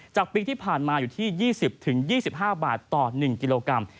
จากปีที่ผ่านมาอยู่ที่๒๐๒๕บาทต่อ๑กิโลกรัม